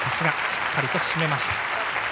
しっかりと締めました。